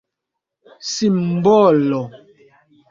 simbolo